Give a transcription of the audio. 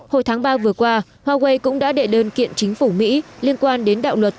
hồi tháng ba vừa qua huawei cũng đã đệ đơn kiện chính phủ mỹ liên quan đến đạo luật